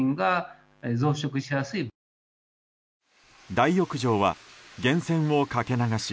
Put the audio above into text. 大浴場は源泉をかけ流し